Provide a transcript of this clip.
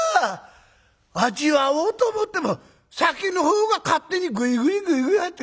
味わおうと思っても酒の方が勝手にぐいぐいぐいぐい入って。